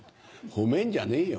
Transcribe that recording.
褒めんじゃねえよ